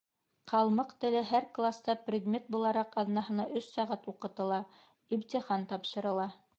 — Ҡалмыҡ теле һәр класта предмет булараҡ аҙнаһына өс сәғәт уҡытыла, имтихан тапшырыла.